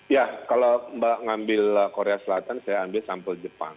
ya kalau mbak ngambil korea selatan saya ambil sampel jepang